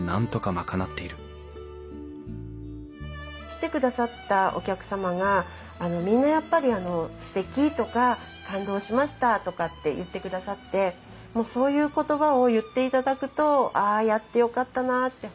来てくださったお客様がみんなやっぱりすてきとか感動しましたとかって言ってくださってそういう言葉を言っていただくとああやってよかったなって